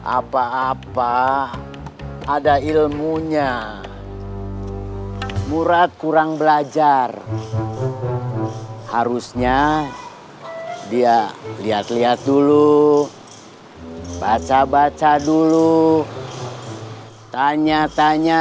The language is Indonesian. apa apa ada ilmunya murad kurang belajar harusnya dia lihat lihat dulu baca baca dulu tanya tanya